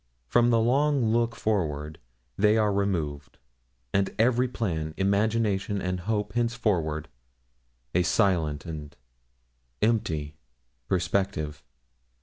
From the long look forward they are removed, and every plan, imagination, and hope henceforth a silent and empty perspective.